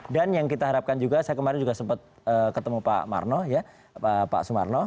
dan yang kita harapkan juga saya kemarin juga sempat ketemu pak sumarno